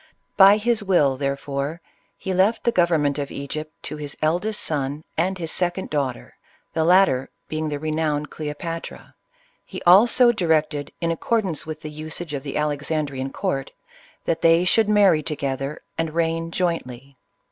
By his will, there fore, he left the government of Egypt to his eldest son and his second daughter, — the latter being the re nowned Cleopatra. He also directed, in accordance with the usage of the Alexandrian court, that they should marry together and reign jointly.